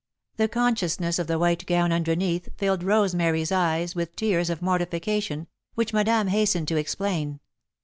The consciousness of the white gown underneath filled Rosemary's eyes with tears of mortification, which Madame hastened to explain.